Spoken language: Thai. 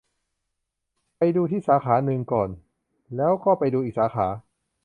ไปดูที่สาขานึงก่อน แล้วก็ไปดูอีกสาขา